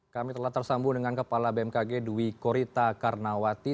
kami telah tersambung dengan kepala bmkg dwi korita karnawati